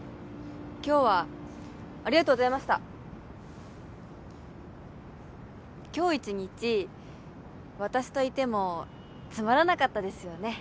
今日はありがとうございました今日一日私といてもつまらなかったですよね？